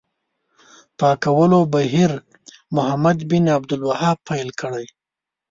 پاکولو بهیر محمد بن عبدالوهاب پیل کړی.